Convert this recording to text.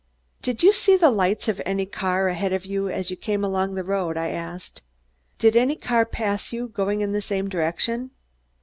"Did you see the lights of any car ahead of you, as you came along the road?" I asked. "Did any car pass you, going in the same direction?"